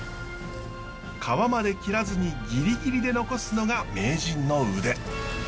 皮まで切らずにギリギリで残すのが名人の腕。